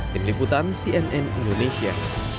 tim liputan cnn indonesia